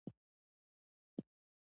ایا ښوونکی مرسته کوي؟